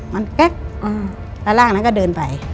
มันแก๊กแล้วร่างนั้นก็เดินไป